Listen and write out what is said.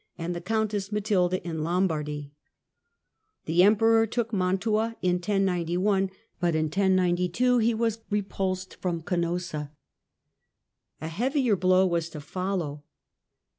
and the Countess Matilda in Lombardy. The Emperor took Mantua in 1091, but in 1092 he was repulsed from Canossa. A heavier blow was to follow.